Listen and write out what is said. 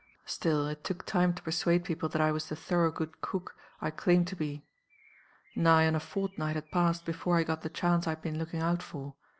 Still, it took time to persuade people that I was the thorough good cook I claimed to be. Nigh on a fortnight had passed before I got the chance I had been looking out for.